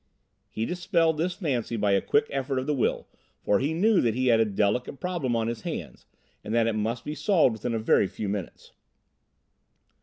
He dispelled this fancy by a quick effort of the will, for he knew that he had a delicate problem on his hands and that it must be solved within a very few minutes.